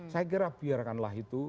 saya kira biarkanlah itu